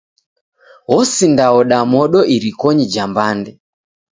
Osindaoda modo irikonyi ja mbande.